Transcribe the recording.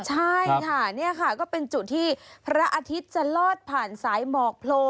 ใช่ค่ะนี่ค่ะก็เป็นจุดที่พระอาทิตย์จะลอดผ่านสายหมอกโพล